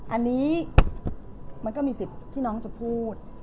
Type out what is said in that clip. อันนี้มันก็มีสิทธิ์ที่น้องจะพูด